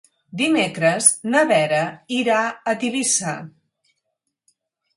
Dimecres na Vera irà a Tivissa.